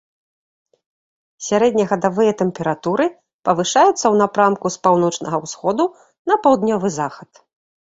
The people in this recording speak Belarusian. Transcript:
Сярэднегадавыя тэмпературы павышаюцца ў напрамку з паўночнага ўсходу на паўднёвы захад.